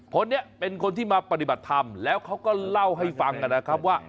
คนนี้เป็นคนที่มาปฏิบัติธรรมแล้วเขาก็เล่าให้ฟังนะครับว่า